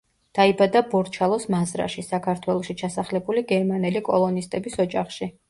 დაიბადა ბორჩალოს მაზრაში, საქართველოში ჩასახლებული გერმანელი კოლონისტების ოჯახში.